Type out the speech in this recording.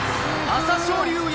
朝青龍が？